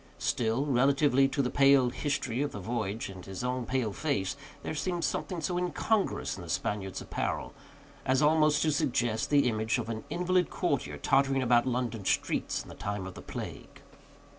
Still, relatively to the pale history of the voyage, and his own pale face, there seemed something so incongruous in the Spaniard's apparel, as almost to suggest the image of an invalid courtier tottering about London streets in the time of the plague.